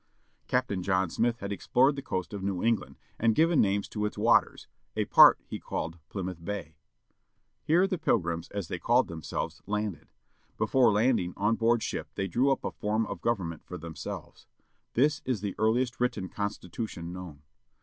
Captain John Smith had explored the coast of New England and given names to its waters, a part he called Pl3miouth Bay. Here the Pilgrims, as they called them selves, landed. Before landing, on board ship they drew up a form of government for themselves. This is the earliest written constitution known.